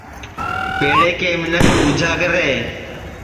پیڑے کے منکھ ٻوجھا کرے